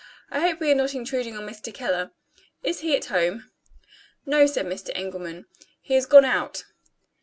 I hope we are not intruding on Mr. Keller. Is he at home?" "No," said Mr. Engelman; "he has gone out."